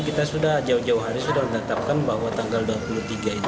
kita sudah jauh jauh hari sudah menetapkan bahwa tanggal dua puluh tiga ini